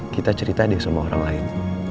kita cerita deh sama orang lain